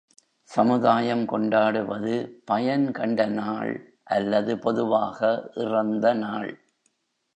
சமுதாயம் கொண்டாடுவது பயன் கண்ட நாள் அல்லது பொதுவாக இறந்த நாள்.